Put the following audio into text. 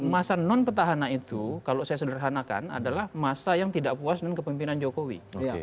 masa non petahana itu kalau saya sederhanakan adalah masa yang tidak puas dengan kepemimpinan jokowi